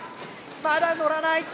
まだのらない。